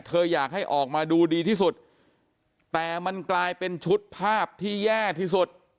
อยากให้ออกมาดูดีที่สุดแต่มันกลายเป็นชุดภาพที่แย่ที่สุด